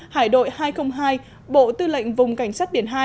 hải đội hai trăm linh hai bộ tư lệnh vùng cảnh sát biển hai